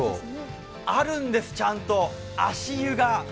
あるんです、ちゃんと足湯が。